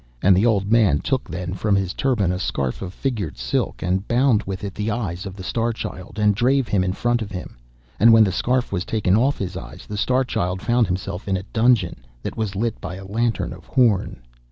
And the old man took then from his turban a scarf of figured silk, and bound with it the eyes of the Star Child, and drave him in front of him. And when the scarf was taken off his eyes, the Star Child found himself in a dungeon, that was lit by a lantern of horn.